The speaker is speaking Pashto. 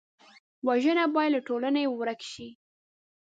وژنه باید له ټولنې ورک شي